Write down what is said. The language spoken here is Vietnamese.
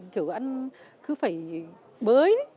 kiểu anh cứ phải bới